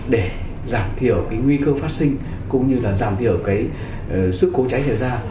để giảm thiểu nguy cơ phát sinh cũng như giảm thiểu sức cố cháy xảy ra